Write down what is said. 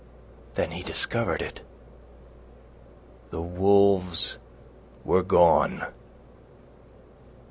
Then he discovered it. The wolves were gone.